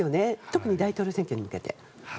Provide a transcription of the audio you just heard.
特に大統領選挙に向けて。